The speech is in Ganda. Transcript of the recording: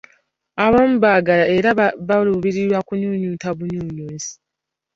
Abamu baagala era baluubirira kutunyunyunta bunyunyusi.